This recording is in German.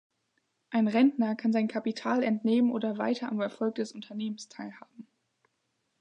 Ein Rentner kann sein Kapital entnehmen oder weiter am Erfolg des Unternehmens teilhaben.